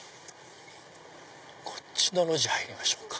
こっちの路地入りましょうか。